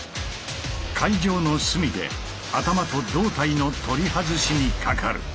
会場の隅で頭と胴体の取り外しにかかる。